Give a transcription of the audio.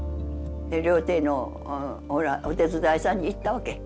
料亭のお手伝いさんにいったわけ。